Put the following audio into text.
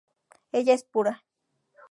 Ella es pura...